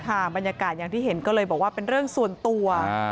บรรยากาศอย่างที่เห็นก็เลยบอกว่าเป็นเรื่องส่วนตัว